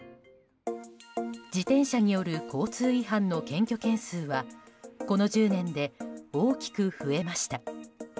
自転車による交通違反の検挙件数はこの１０年で大きく増えました。